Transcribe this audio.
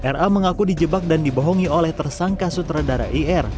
ra mengaku dijebak dan dibohongi oleh tersangka sutradara ir